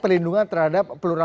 pelindungan terhadap pluralisme